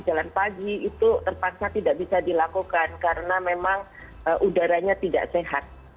jalan pagi itu terpaksa tidak bisa dilakukan karena memang udaranya tidak sehat